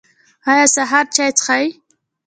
ایا سهار چای څښئ؟